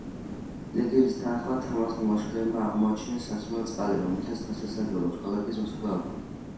ლეგენდის თანახმად, თამარის მოლაშქრეებმა აღმოაჩინეს სასმელი წყალი, რომლითაც დღესაც სარგებლობს ქალაქის მოსახლეობა.